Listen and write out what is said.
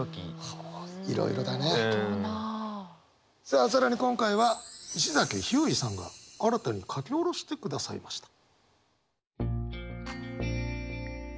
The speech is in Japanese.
さあ更に今回は石崎ひゅーいさんが新たに書き下ろしてくださいました。